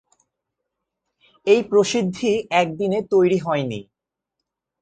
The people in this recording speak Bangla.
এই প্রসিদ্ধি একদিনে তৈরি হয়নি।